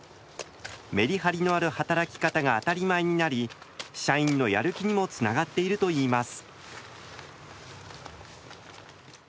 メリハリのある働き方が当たり前になり社員のやる気にもつながっているといいます。